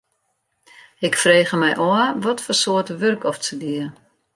Ik frege my ôf watfoar soarte wurk oft se die.